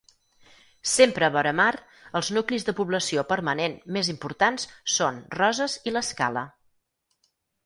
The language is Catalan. Sempre vora mar, els nuclis de població permanent més importants són Roses i l'Escala.